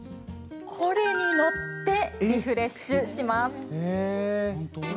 これに乗ってリフレッシュします。